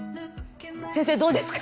先生どうですか？